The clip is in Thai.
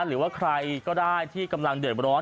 หรือว่าใครก็ได้ที่กำลังเดือดร้อน